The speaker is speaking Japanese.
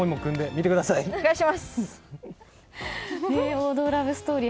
王道ラブストーリー。